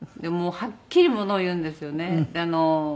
はっきりものを言うんですよね。